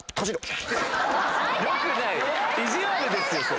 意地悪ですよ！